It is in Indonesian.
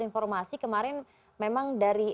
informasi kemarin memang dari